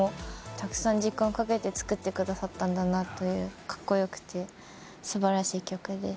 たくさん時間をかけて作ってくださったんだなというカッコよくて素晴らしい曲です。